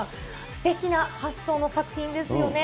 すてきな発想の作品ですよね。